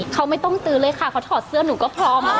เขาไม่ต้องตื้อเลยค่ะเขาถอดเสื้อหนูก็พร้อม